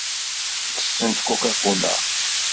Ttessent Coca-Cola.